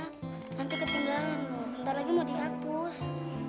nanti ketinggalan mau bentar lagi mau dihapus